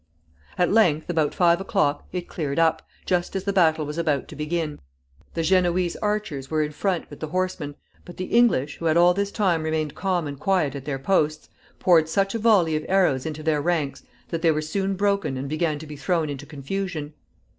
At length, about five o'clock, it cleared up, just as the battle was about to begin. The Genoese archers were in front with the horsemen, but the English, who had all this time remained calm and quiet at their posts, poured such a volley of arrows into their ranks that they were soon broken and began to be thrown into confusion.